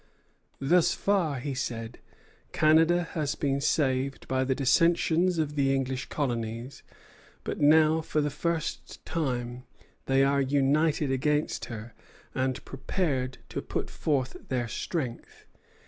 Thus far, he said, Canada has been saved by the dissensions of the English colonies; but now, for the first time, they are united against her, and prepared to put forth their strength.